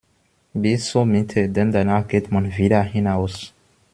Bis zur Mitte, denn danach geht man wieder hinaus.